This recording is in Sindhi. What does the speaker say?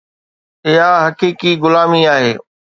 اها حقيقي غلامي آهي.